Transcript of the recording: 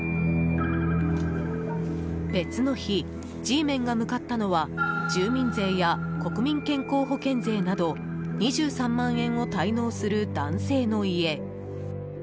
別の日、Ｇメンが向かったのは住民税や国民健康保険税など２３万円を滞納する男性の家。